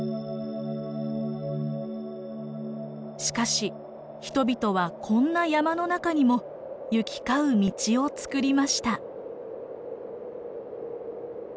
しかし人々はこんな山の中にも行き交う道をつくりました。